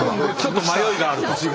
ちょっと迷いがあると。